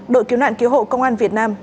đội cứu nạn cứu hộ công an việt nam